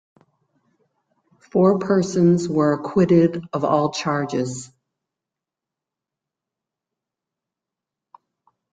Four persons were acquitted of all charges.